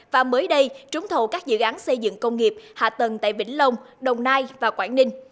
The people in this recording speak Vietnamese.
và mới đây trúng thầu các dự án xây dựng công nghiệp hạ tầng tại vĩnh long đồng nai và quảng ninh